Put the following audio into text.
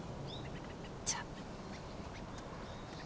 じゃあ。